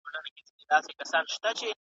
حیادار حیا کول بې حیا ویل زما څخه بېرېږي